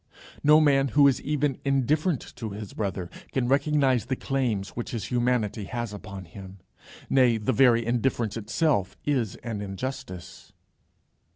No man who is even indifferent to his brother can recognize the claims which his humanity has upon him. Nay, the very indifference itself is an injustice.